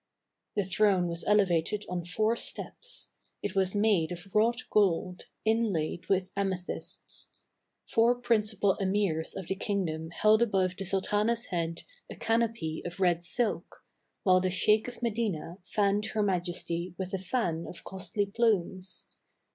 The throne was elevated on four steps. It was made of wrought gold, inlaid with amethysts. Four principal emirs of the kingdom held above the sultana's head a canopy of red silk, while the sheik of Medina fanned her Majesty with a fan of costly plumes.